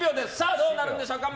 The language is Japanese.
どうなるんでしょうか。